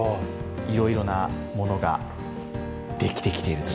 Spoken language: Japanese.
いろいろなものができてきているという。